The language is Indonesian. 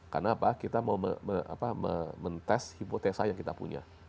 karena apa kita mau men test hipotesa yang kita punya